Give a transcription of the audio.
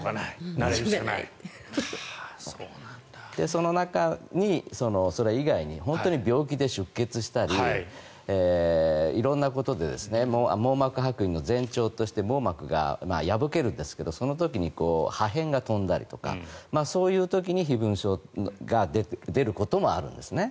その中に、それ以外に本当に病気で出血したり色んなことで網膜はく離の前兆として網膜が破けるんですがその時に破片が飛んだりとかそういう時に飛蚊症が出ることもあるんですね。